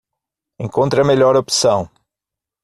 Encontre a melhor opção